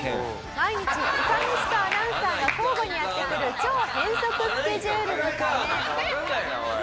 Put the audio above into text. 毎日いかめしとアナウンサーが交互にやってくる超変則スケジュールのため。